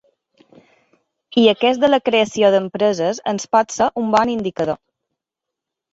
I aquest de la creació d’empreses ens pot ser un bon indicador.